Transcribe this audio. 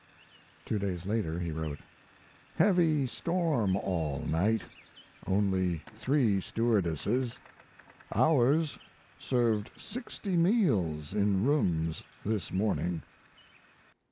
Two days later he wrote: Heavy storm all night. Only 3 stewardesses. Ours served 60 meals in rooms this morning.